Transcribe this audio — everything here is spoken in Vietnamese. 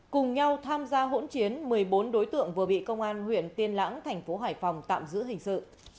cùng nhau tham gia hỗn chiến một mươi bốn đối tượng vừa bị công an huyện tiên lãng thành phố hải phòng tạm giữ hình sự